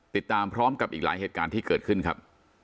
ติดตามพร้อมกับอีกหลายเหตุการณ์ที่เกิดขึ้นครับ